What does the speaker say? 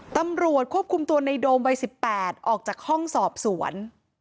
ตำรวจควบคุมตัวในโดมวัย๑๘ออกจากห้องสอบสวน